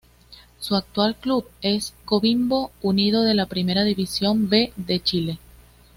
Su actual club es Coquimbo Unido de la Primera División B de Chile.